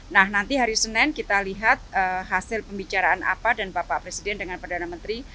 nah nanti hari senin kita lihat hasil pembicaraan apa dan bapak presiden dengan perdana menteri